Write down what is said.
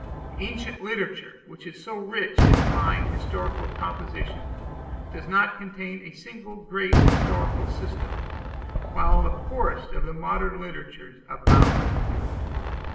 Ancient literature, which is so rich in fine historical compositions, does not contain a single great historical system, whilst the poorest of modern literatures abound with them.